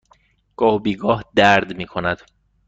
گاه و بیگاه درد می کند.